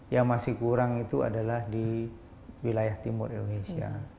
yang masih kurang itu adalah di wilayah timur indonesia